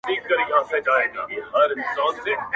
• ستا خوږې خبري د سِتار سره سندري دي,